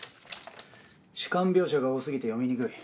主観描写が多すぎて読みにくい。